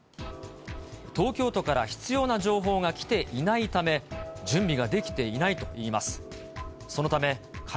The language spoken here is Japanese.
東京都から必要な情報が来ていないため、準備ができていないといいます。